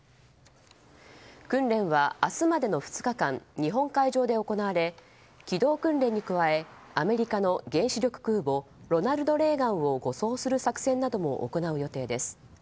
訓練は、明日までの２日間日本海上で行われ機動訓練に加えアメリカの原子力空母「ロナルド・レーガン」を護送する作戦なども行う予定です。